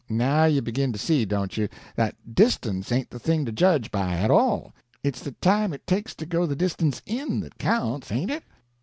"Now you begin to see, don't you, that distance ain't the thing to judge by, at all; it's the time it takes to go the distance in that counts, ain't it?"